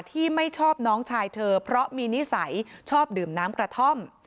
ที่ไม่ชอบน้องชายเธอเพราะมีนิสัยชอบดื่มน้ำกระท่อม